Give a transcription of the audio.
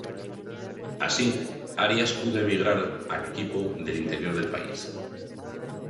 Así, Arias pudo emigrar al equipo del interior del país.